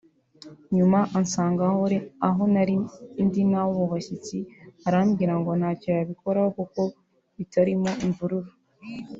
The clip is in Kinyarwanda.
nyuma ansanga aho nari ndi n’abo bashyitsi arambwira ngo ntacyo yabikoraho kuko bitarimo imvururu